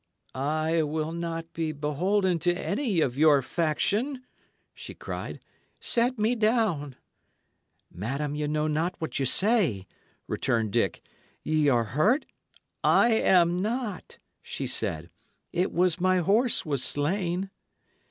"I will not be beholden to any of your faction," she cried; "set me down." "Madam, ye know not what ye say," returned Dick. "Y' are hurt" "I am not," she said. "It was my horse was slain."